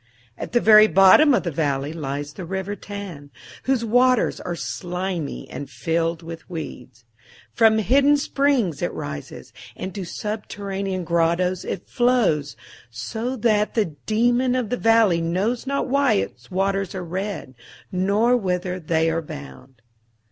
At the very bottom of the valley lies the river Than, whose waters are slimy and filled with weeds. From hidden springs it rises, and to subterranean grottoes it flows, so that the Daemon of the Valley knows not why its waters are red, nor whither they are bound.